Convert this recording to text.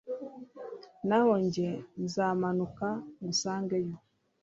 naho jye nzamanuka ngusangayo